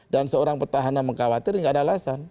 dan seorang petahana mengkhawatir ini tidak ada alasan